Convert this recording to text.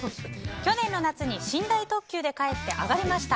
去年の夏に寝台特急で帰って上がりました。